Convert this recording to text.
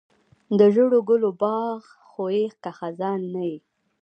د ژړو ګلو باغ خو یې که خزان نه وي.